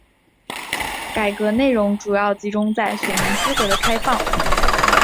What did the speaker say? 改革内容主要集中在选民资格的开放。